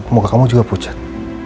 muka kamu juga pucat